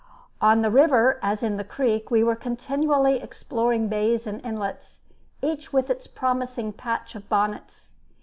On the river, as in the creek, we were continually exploring bays and inlets, each with its promising patch of bonnets.